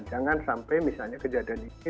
jangan sampai misalnya kejadian ini